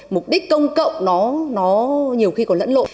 mục đích công cộng nó nhiều khi còn lẫn lộn